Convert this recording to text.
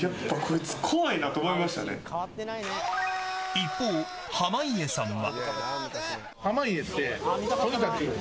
一方、濱家さんは。